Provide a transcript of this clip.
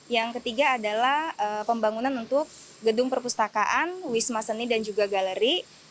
yang ketiga adalah pembangunan untuk gedung perpustakaan wisma seni dan juga galeri